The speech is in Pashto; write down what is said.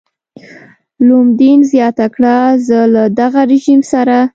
لومدین زیاته کړه زه له دغه رژیم سره.